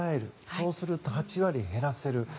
そうすると８割減らせる。